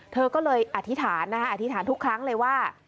เธอก็เลยอธิษฐานนะคะอธิษฐานทุกครั้งเลยว่า